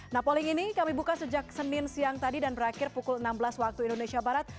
nah polling ini kami buka sejak senin siang tadi dan berakhir pukul enam belas waktu indonesia barat